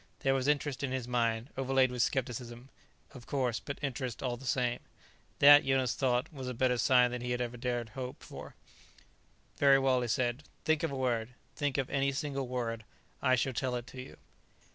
There was interest in his mind, overlaid with skepticism, of course, but interest all the same. That, Jonas thought, was a better sign than he had dared to hope for. "Very well," he said. "Think of a word. Think of any single word. I shall tell it to you."